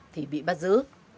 thì bị bắt giữ